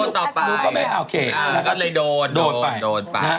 อ่ะคนต่อไปโดนไปโดนไป